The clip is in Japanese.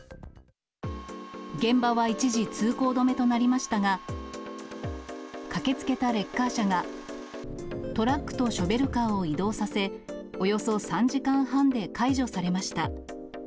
現場は一時通行止めとなりましたが、駆けつけたレッカー車がトラックとショベルカーを移動させ、およそ３時間半で解除されました。